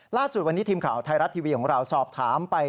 ล่าสุดวันนี้ทีมข่าวไทยรัฐทีวีของเราสอบถามไป